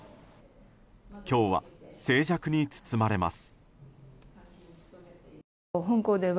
今日は静寂に包まれます。